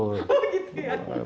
oh gitu ya